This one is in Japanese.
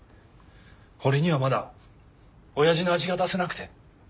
俺にはまだおやじの味が出せなくて。